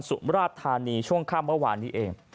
มราชธานีช่วงค่ำเมื่อวานนี้เอง